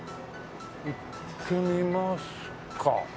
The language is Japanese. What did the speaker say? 行ってみますか。